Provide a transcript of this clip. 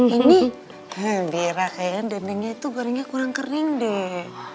ini beda kayaknya dendengnya itu gorengnya kurang kering deh